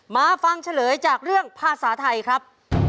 มาฟังเฉลยจากเรื่องภาษาไทยครับ